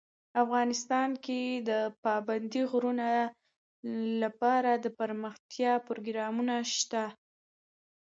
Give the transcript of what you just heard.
افغانستان کې د پابندی غرونه لپاره دپرمختیا پروګرامونه شته.